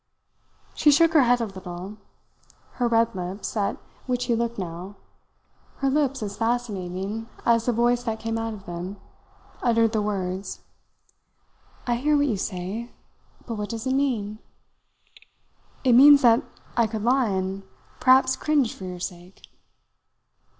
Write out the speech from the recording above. She shook her head a little. Her red lips, at which he looked now, her lips as fascinating as the voice that came out of them, uttered the words: "I hear what you say; but what does it mean?" "It means that I could lie and perhaps cringe for your sake."